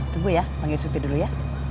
tunggu ya panggil supir dulu ya